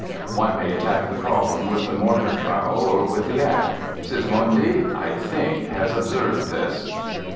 One may attack the problem with the mortar trowel, or with the axe. Sismondi, I think, has observed this.